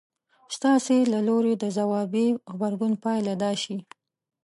ستاسې له لوري د ځوابي غبرګون پايله دا شي.